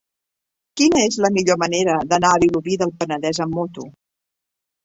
Quina és la millor manera d'anar a Vilobí del Penedès amb moto?